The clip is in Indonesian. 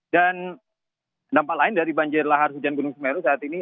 dan nampak lain dari banjir lahar hujan gunung semeru saat ini